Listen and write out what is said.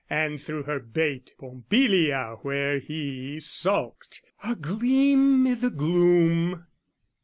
And threw her bait, Pompilia, where he sulked A gleam i' the gloom!